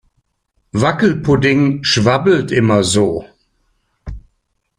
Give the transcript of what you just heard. Wackelpudding schwabbelt immer so.